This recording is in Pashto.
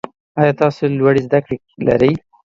ایا تاسو لوړې زده کړې لرئ؟